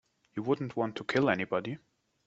You wouldn't want to kill anybody.